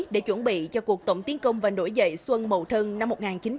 để chuẩn bị cho cuộc tổng tiến công và nổi dậy xuân mậu thân năm một nghìn chín trăm bảy mươi năm